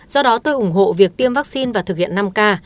do đó tôi ủng hộ việc tiêm vaccine và thực hiện năm k